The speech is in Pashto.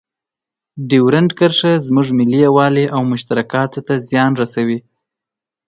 ډیورنډ کرښه زموږ ملي یووالي او مشترکاتو ته زیان رسوي.